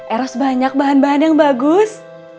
eros banyak bahan bahan yang bagus